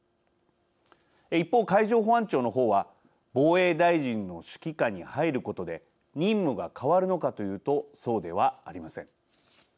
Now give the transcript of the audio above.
一方、海上保安庁の方は防衛大臣の指揮下に入ることで任務が変わるのかというとそうではありません。